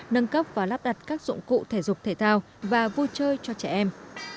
nâng cấp và lắp đặt các dụng cụ thể dục thể thao và vui chơi cho trẻ em